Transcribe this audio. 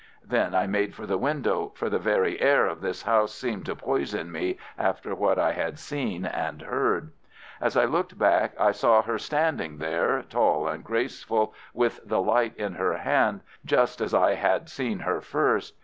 Then I made for the window, for the very air of this house seemed to poison me after what I had seen and heard. As I looked back, I saw her standing there, tall and graceful, with the light in her hand, just as I had seen her first.